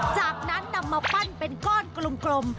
จากนั้นนำมาปั้นเป็นก้อนกลม